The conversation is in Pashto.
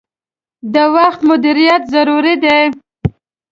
د وخت مدیریت ضروری دي.